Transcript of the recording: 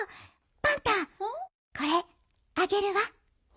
パンタこれあげるわ。